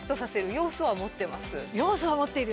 要素は持っている。